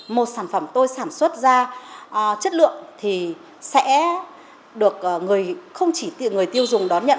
một sản phẩm tôi sản xuất ra chất lượng thì sẽ được không chỉ người tiêu dùng đón nhận